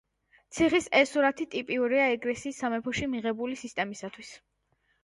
ციხის ეს სურათი ტიპიურია ეგრისის სამეფოში მიღებული სისტემისათვის.